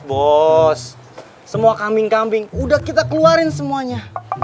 bos semua kambing kambing sudah kita keluarkan semuanya